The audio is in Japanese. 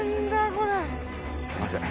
すいません。